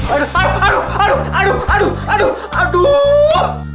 aduh aduh aduh aduh aduh aduh